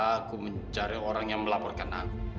aku mencari orang yang melaporkan aku